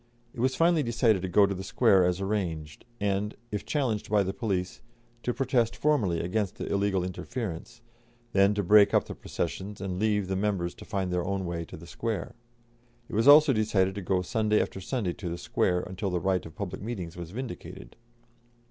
It was finally decided to go to the Square as arranged, and, if challenged by the police, to protest formally against the illegal interference, then to break up the processions and leave the members to find their own way to the Square. It was also decided to go Sunday after Sunday to the Square, until the right of public meetings was vindicated.